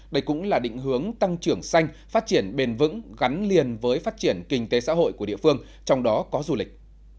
đây cũng là định hướng tăng trưởng xanh phát triển bền vững gắn liền với phát triển kinh tế xã hội của địa phương trong đó có du lịch